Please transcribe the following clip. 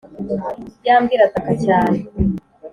ya mbwa irataka cyane.